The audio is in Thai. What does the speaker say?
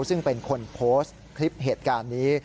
ซึ่งเป็นคนโพสต์คลิปเหตุการณ์นี้